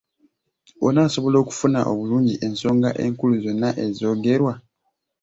Onaasobola okufuna obulungi ensonga enkulu zonna ezoogerwa.